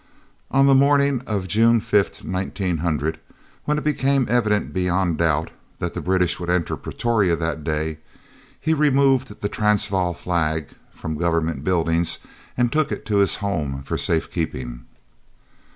On the morning of June 5th, 1900, when it became evident beyond doubt that the British would enter Pretoria that day, he removed the Transvaal flag from Government Buildings and took it to his house for safe keeping.